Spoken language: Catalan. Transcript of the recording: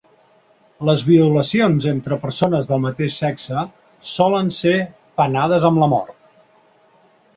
Les violacions entre persones del mateix sexe solen ser penades amb la mort.